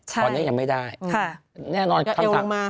ตอนนี้ยังไม่ได้แน่นอนคำสั่งมา